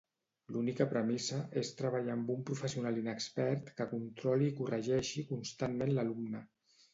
L'única premissa és treballar amb un professional inexpert que controli i corregeixi constantment l'alumne.